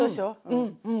うんうん。